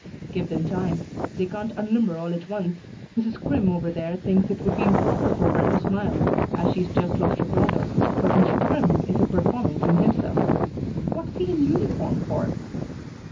"Give them time. They can't unlimber all at once. Mrs. Crimm over there thinks it would be improper for her to smile, as she's just lost her brother, but Mr. Crimm is a performance in himself. What's he in uniform for?"